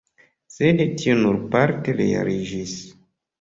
Sed tio nur parte realiĝis.